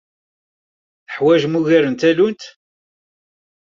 Teḥwajem ugar n tallunt?